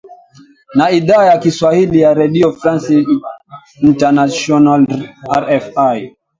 na idhaa ya kiswahili ya redio france international rfi